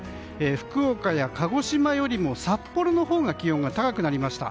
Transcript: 福岡や鹿児島よりも札幌のほうが気温が高くなりました。